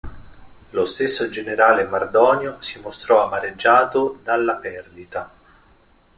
Lo stesso generale Mardonio si mostrò amareggiato dalla perdita.